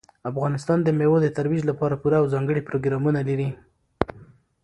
افغانستان د مېوو د ترویج لپاره پوره او ځانګړي پروګرامونه لري.